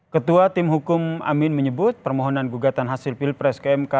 ketua tim hukum amin menyebut permohonan gugatan hasil pilpres ke mk